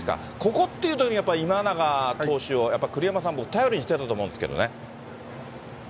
ここっていうときに、やっぱり今永投手を、やっぱり栗山さんも頼りにしてたと思うんですけどね。